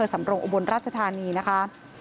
ที่กระเภทสำโรงอบนราชธานีนะคะ